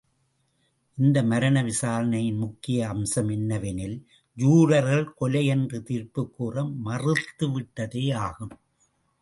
இந்த மரண விசாரணையின் முக்கிய அம்சம் என்னவெனில், ஜூரர்கள் கொலை என்று தீர்ப்புக்கூற மறுத்துவிட்டதேயாகும்.